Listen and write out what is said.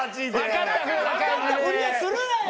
わかったふりをするなよ！